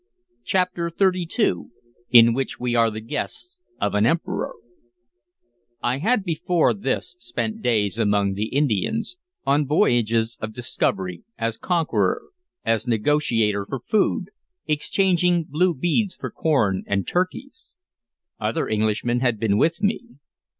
CHAPTER XXXII IN WHICH WE ARE THE GUESTS OF AN EMPEROR I HAD before this spent days among the Indians, on voyages of discovery, as conqueror, as negotiator for food, exchanging blue beads for corn and turkeys. Other Englishmen had been with me.